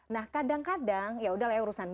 nah kadang kadang yaudah layak urusan dia gitu ya